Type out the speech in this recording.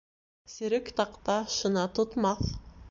Серек таҡта шына тотмаҫ.